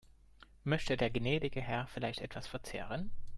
Möchte der gnädige Herr vielleicht etwas verzehren?